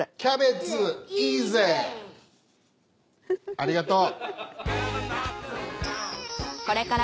ありがとう。